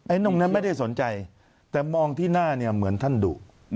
ตรงนั้นไม่ได้สนใจแต่มองที่หน้าเนี่ยเหมือนท่านดุ